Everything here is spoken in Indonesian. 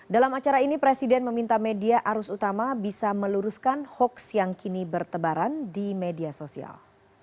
dalam acara ini presiden meminta media arus utama bisa meluruskan hoax yang kini bertebaran di media sosial